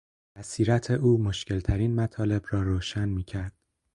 بصیرت او مشکلترین مطالب را روشن میکرد.